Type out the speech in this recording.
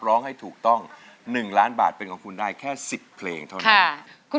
ร้องให้ถูกต้อง๑ล้านบาทเป็นของคุณได้แค่๑๐เพลงเท่านั้น